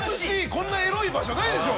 こんなエロい場所ないでしょ！